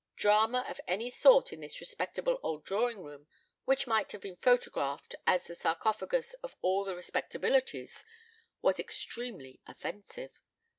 Drama of any sort in this respectable old drawing room, which might have been photographed as the sarcophagus of all the Respectabilities, was extremely offensive.